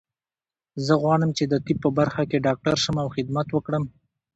زه غواړم چې د طب په برخه کې ډاکټر شم او خدمت وکړم